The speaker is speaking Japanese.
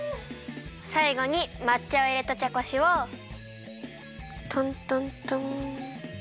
さいごにまっ茶をいれたちゃこしをトントントン。